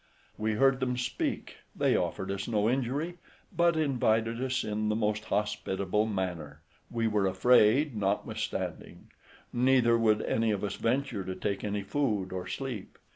We heard them speak: they offered us no injury, but invited us in the most hospitable manner; we were afraid, notwithstanding: neither would any of us venture to take any food or sleep.